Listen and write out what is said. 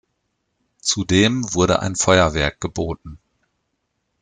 Zudem wurde ein Feuerwerk geboten.